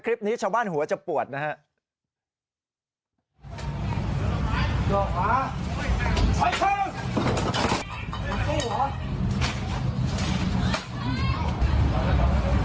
คลิปนี้ชาวบ้านหัวจะปวดนะครับ